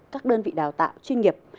các đơn vị đào tạo chuyên nghiệp